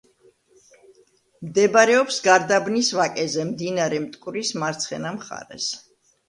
მდებარეობს გარდაბნის ვაკეზე, მდინარე მტკვრის მარცხენა მხარეს.